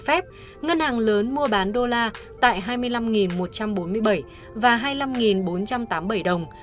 phép ngân hàng lớn mua bán đô la tại hai mươi năm một trăm bốn mươi bảy và hai mươi năm bốn trăm tám mươi bảy đồng